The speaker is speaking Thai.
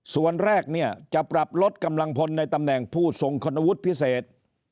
ส่วนแรกเนี่ยจะปรับลดกำลังพลในตำแหน่งผู้ทรงคุณวุฒิพิเศษ